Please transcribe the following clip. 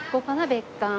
別館。